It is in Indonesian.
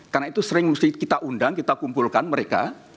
karena itu sering kita undang kita kumpulkan mereka